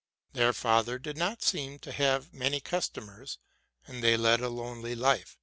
Their father did not seem to have many customers, and they led a lonely life.